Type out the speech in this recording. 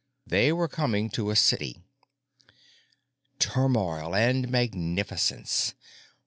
They were coming to a city. Turmoil and magnificence!